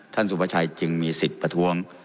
ท่านสุประชัยจึงมีสิทธิ์ประทวง